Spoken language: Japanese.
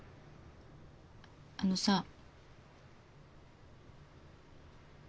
あのさ。